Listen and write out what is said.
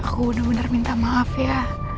iya pak aku udah benar minta maaf ya